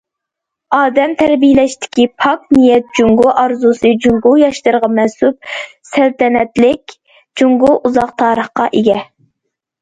ئادەم تەربىيەلەشتىكى پاك نىيەت: جۇڭگو ئارزۇسى جۇڭگو ياشلىرىغا مەنسۇپ سەلتەنەتلىك جۇڭگو ئۇزاق تارىخقا ئىگە.